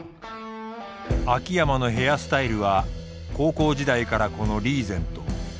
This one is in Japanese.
秋山のヘアスタイルは高校時代からこのリーゼント。